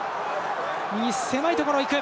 狭いところを行く。